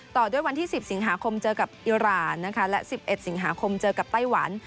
ต่อด้วยวันที่๑๐สิงหาคมเจอกับอิราณนะคะและ๑๑สิงหาคมเจอกับไต้หวัน